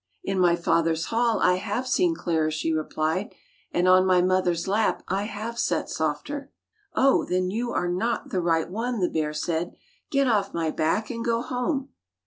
"In my father's hall I have seen clearer," she replied, "and on my mother's lap I have sat softer."' "Oh, then you are not the right one!" the bear said. "Get off my back and go home."